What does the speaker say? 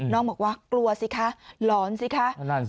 น้องบอกว่ากลัวสิคะหลอนสิคะ